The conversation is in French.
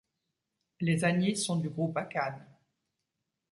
Les Agnis sont du groupe Akan.